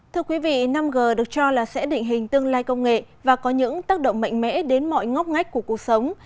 thưa quý vị năm g được cho là sẽ định hình tương lai công nghệ và có những tác động mạnh mẽ đến mọi ngóc ngách của cuộc sống